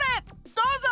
どうぞ！